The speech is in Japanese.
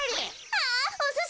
あっおすし！